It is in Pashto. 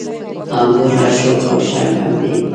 همدمره شوخ او شنګ هم دی.